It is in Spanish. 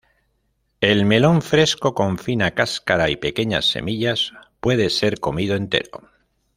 El melón fresco, con fina cáscara y pequeñas semillas, puede ser comido entero.